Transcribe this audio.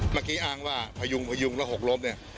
เมื่อกี้อ้างว่าพยุงแล้วหกลบ